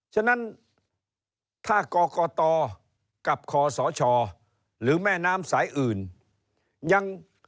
ฉะนั้นถ้ากรกตกับคศหรือแม่น้ำสายอื่นยัง